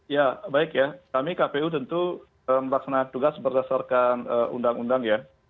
ya baik ya kami kpu tentu melaksanakan tugas berdasarkan undang undang ya